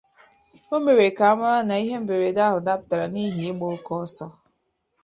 O mere ka a mara na ihe mberede ahụ dapụtara n'ihi ịgba oke ọsọ